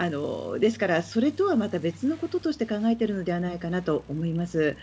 ですからそれとはまた別のこととして考えているのではないかなと思います。